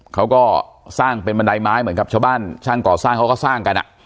เขาก็สร้างเป็นบันไดไม้เหมือนกับชาวบ้านช่างก่อสร้างเขาก็สร้างกันอ่ะ